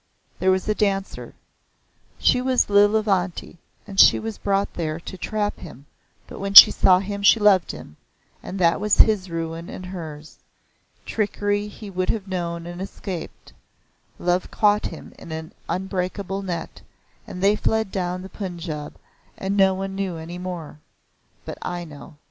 "There was a Dancer. She was Lilavanti, and she was brought there to trap him but when she saw him she loved him, and that was his ruin and hers. Trickery he would have known and escaped. Love caught him in an unbreakable net, and they fled down the Punjab and no one knew any more. But I know.